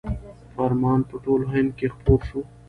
فرمان په ټول هند کې خپور شو.